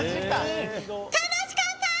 楽しかったー！